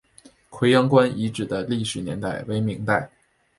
葵阳关遗址的历史年代为明代。